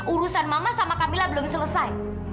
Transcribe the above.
urusan mama sama kamila belum selesai